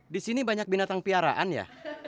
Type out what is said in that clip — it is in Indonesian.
di sini banyak binatang piaraan ya